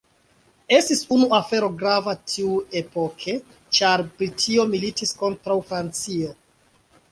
Estis unu afero grava tiuepoke ĉar Britio militis kontraŭ Francio.